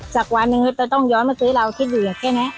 จากวันนึงต้องย้อนมาซื้อเราที่เหยียดแค่ไหน